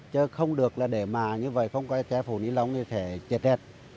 chứ không được là để mà như vậy không có cái phủ nilon thì phải chẹt chẹt